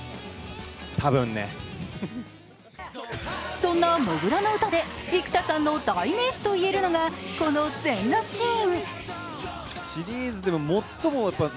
そんな「土竜の唄」で生田さんの代名詞といえるのがこの全裸シーン。